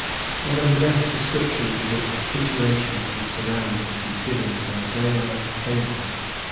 One of the best descriptions of its situation and surroundings is given by Bayard Taylor.